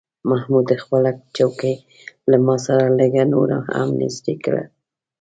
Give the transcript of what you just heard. محمود خپله چوکۍ له ما سره لږه نوره هم نږدې کړه.